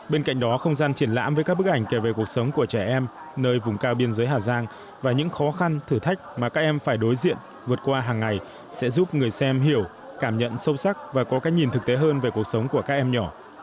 bên cạnh đó không gian triển lãm với các bức ảnh kể về cuộc sống của trẻ em nơi vùng cao biên giới hà giang và những khó khăn thử thách mà các em phải đối diện vượt qua hàng ngày sẽ giúp người xem hiểu cảm nhận sâu sắc và có cách nhìn thực tế hơn về cuộc sống của các em nhỏ